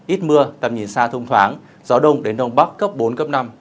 ít mưa tầm nhìn xa thông thoáng gió đông đến đông bắc cấp bốn cấp năm